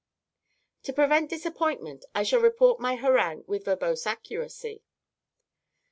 To prevent disappointment, I shall report my harangue with verbose accuracy.